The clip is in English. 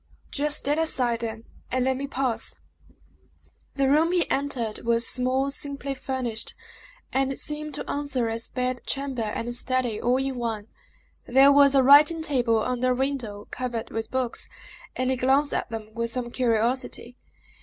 "Just stand aside, then, and let me pass." The room he entered was small, simply furnished, and seemed to answer as bed chamber and study, all in one. There was a writing table under a window, covered with books, and he glanced at them with some curiosity.